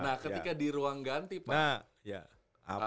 nah ketika di ruang ganti pak